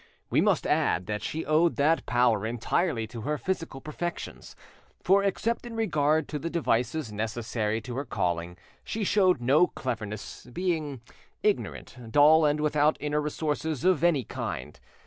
We must add that she owed that power entirely to her physical perfections, for except in regard to the devices necessary to her calling, she showed no cleverness, being ignorant, dull and without inner resources of any kind.